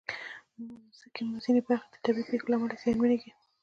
د مځکې ځینې برخې د طبعي پېښو له امله زیانمنېږي.